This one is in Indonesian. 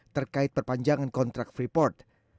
terkait perpanjangan kontrak freeport